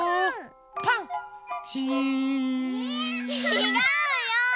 ちがうよ！